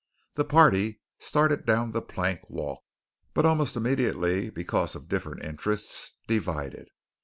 The party started down the plank walk, but almost immediately, because of different interests, divided.